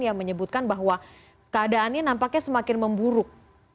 yang menyebutkan bahwa keadaannya nampaknya semakin memburuk